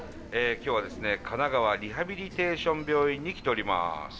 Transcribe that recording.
今日は神奈川リハビリテーション病院に来ております。